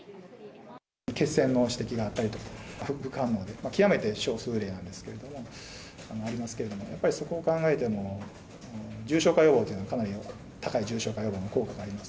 血栓の指摘があったりとか、副反応で、極めて少数例なんですけれども、ありますけれども、やっぱりそこを考えても、重症化予防というのは高い効果があります。